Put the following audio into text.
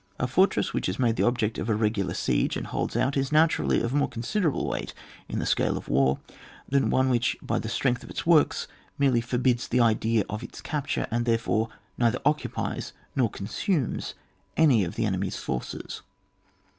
A fortress which is made the object of a regular siege, and holds out, is naturally of more con siderable weight in the scales of war, than one which by the strength of its works merely forbids the idea of its capture, and therefore neither occupies nor consumes any of the enemy s forces.